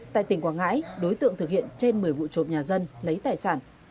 tại tỉnh quảng ngãi đối tượng thực hiện trên một mươi vụ trộm nhà dân lấy tài sản